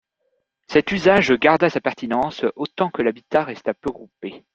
Cet usage garda sa pertinence autant que l'habitat resta peu groupé.